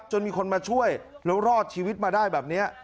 จนมีคนมาช่วยแล้วรอดชีวิตมาได้แบบนี้